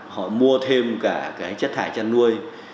họ mua thêm cả chất thải chăn nuôi